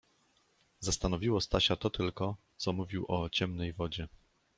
Zastanowiło Stasia to tylko, co mówił o „Ciemnej Wodzie".